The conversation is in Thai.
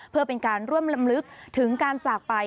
เพื่อเป็นการร่วมลำลึกถึงการจากไป